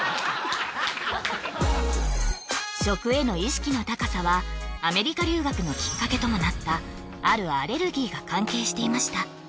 食への意識の高さはアメリカ留学のきっかけともなったあるアレルギーが関係していました